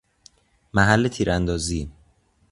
محل تیراندازی